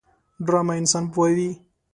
ډرامه انسان پوهوي